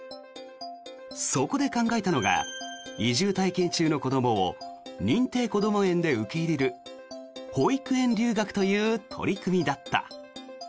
そこで考えたのが移住体験中の子どもを認定こども園で受け入れる保育園留学という取り組みだった。